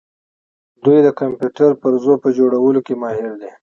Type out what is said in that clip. دوی د کمپیوټر پرزو په جوړولو کې ماهر دي.